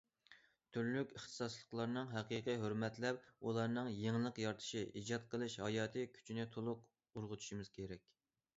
تۈرلۈك ئىختىساسلىقلارنى ھەقىقىي ھۆرمەتلەپ، ئۇلارنىڭ يېڭىلىق يارىتىش، ئىجاد قىلىش ھاياتىي كۈچىنى تولۇق ئۇرغۇتۇشىمىز كېرەك.